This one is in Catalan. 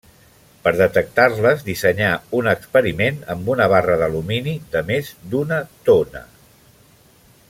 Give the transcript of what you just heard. Per detectar-les dissenyà un experiment amb una barra d'alumini de més d'una tona.